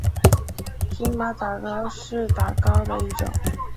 芝麻打糕是打糕的一种。